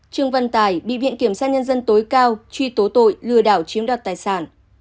trương văn tài bị viện kiểm sát nhân dân tối cao truy tố tội lừa đảo chiếm đoạt tài sản